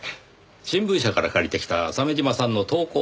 新聞社から借りてきた鮫島さんの投稿ハガキです。